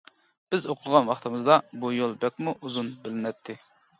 بىز ئوقۇغان ۋاقتىمىزدا بۇ يول بەكمۇ ئۇزۇن بىلىنەتتى.